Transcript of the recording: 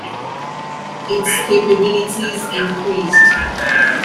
Its capabilities increased.